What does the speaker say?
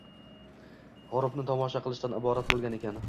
— g‘urubni tomosha qilishdan iborat bolgan ekan.